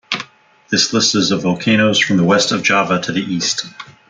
This list is of volcanoes from the west of Java to the east.